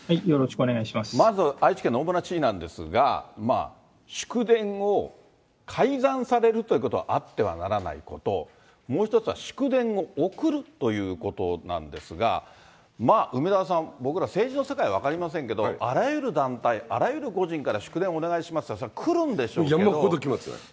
まず、愛知県の大村知事なんですが、まあ、祝電を改ざんされるということはあってはならないこと、もう１つは祝電を送るということなんですが、梅沢さん、僕ら、政治の世界分かりませんけど、あらゆる団体、あらゆる個人から祝電お願いしますって、それは来るんでしょうけ本当、来ますね。